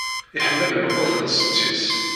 Iḥemmel lqut n setti-s.